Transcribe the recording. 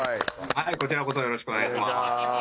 はいこちらこそよろしくお願いします。